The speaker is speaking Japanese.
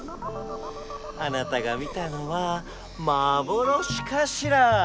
あなたが見たのはまぼろしかしら？